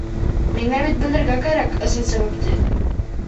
Миңә бит белергә кәрәк ысын сәбәпте.